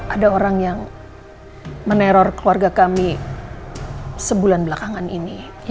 ada orang yang meneror keluarga kami sebulan belakangan ini